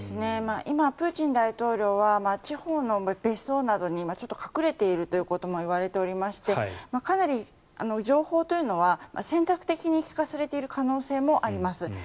今、プーチン大統領は地方の別荘などにちょっと隠れているということも言われておりましてかなり情報というのは選択的に聞かされている可能性もあります。